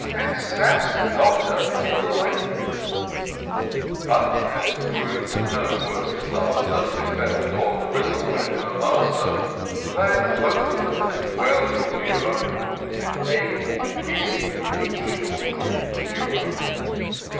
And sous'd the Doctor in the Lake ; But, as it prov'd, no worse disaster Befel poor Grizzle and her master. Than both of them could well endure. And a warm inn would shortly cure.